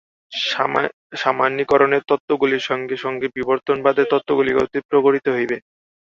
সামান্যীকরণের তত্ত্বগুলির সঙ্গে সঙ্গে বিবর্তনবাদের তত্ত্বগুলিকেও তৃপ্ত করিতে হইবে।